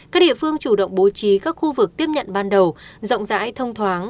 các địa phương chủ động bố trí các khu vực tiếp nhận ban đầu rộng rãi thông thoáng